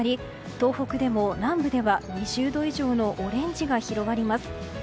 東北でも南部では２０度以上のオレンジが広がります。